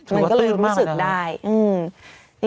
มันก็เลยรู้สึกได้อืม